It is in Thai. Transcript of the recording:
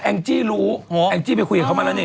งจี้รู้แองจี้ไปคุยกับเขามาแล้วนี่